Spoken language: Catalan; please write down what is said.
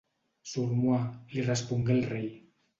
«Sur moi», li respongué el rei.